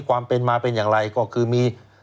ความเป็นมาเป็นอย่างไรก็คือมี